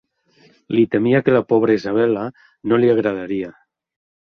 Li temia que la pobra Isabella no li agradaria.